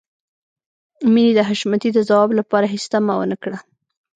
مينې د حشمتي د ځواب لپاره هېڅ تمه ونه کړه.